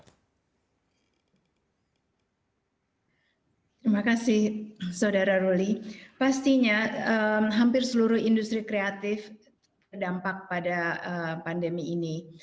terima kasih saudara ruli pastinya hampir seluruh industri kreatif terdampak pada pandemi ini